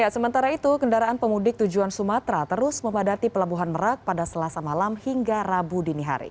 sementara itu kendaraan pemudik tujuan sumatera terus memadati pelabuhan merak pada selasa malam hingga rabu dini hari